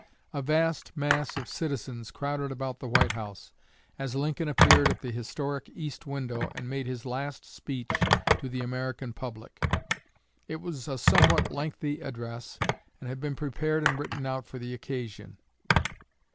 A vast mass of citizens crowded about the White House, as Lincoln appeared at the historic East window and made his last speech to the American public. It was a somewhat lengthy address, and had been prepared and written out for the occasion.